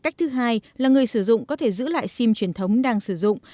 cách thứ hai là người sử dụng có thể giữ lại sim truyền thống đang sử dụng